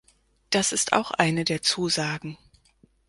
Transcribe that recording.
Das ist auch eine der Zusagen.